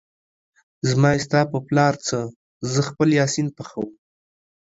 زما يې ستا په پلار څه ، زه خپل يا سين پخوم